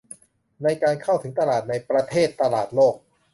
ในการเข้าถึงตลาดในประเทศ ตลาดโลก